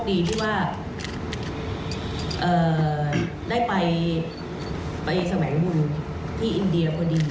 เอ่อได้ไปไปสมัยบุญที่อินเดียพอดี